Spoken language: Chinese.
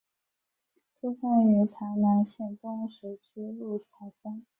出生于台南县东石区鹿草乡。